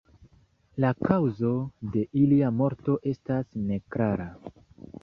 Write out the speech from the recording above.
La kaŭzo de ilia morto estas neklara.